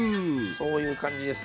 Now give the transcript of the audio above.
そういう感じです。